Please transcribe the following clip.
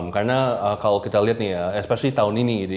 karena kalau kita lihat nih ya especially tahun ini